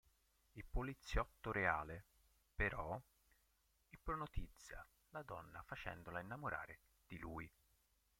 Il poliziotto reale, però, ipnotizza la donna facendola innamorare di lui.